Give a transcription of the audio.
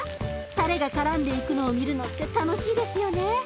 たれがからんでいくのを見るのって楽しいですよね。